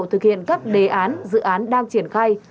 thực hiện các đề án dự án đang triển khai